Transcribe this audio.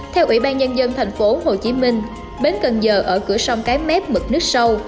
theo ủy ban nhân dân tp hcm bến cần giờ ở cửa sông cái mép mực nước sâu